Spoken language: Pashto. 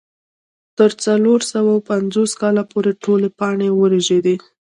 تر څلور سوه پنځوس کاله پورې ټولې پاڼې ورژېدې.